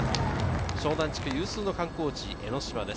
湘南地区有数の観光地・江の島です。